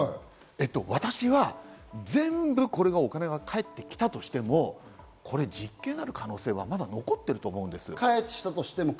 私は全部これがお金が返ってきたとしても実刑になる可能性はまだ残っていると思います。